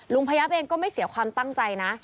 พยับเองก็ไม่เสียความตั้งใจนะ